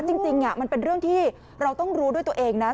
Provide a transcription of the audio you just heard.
จริงมันเป็นเรื่องที่เราต้องรู้ด้วยตัวเองนะ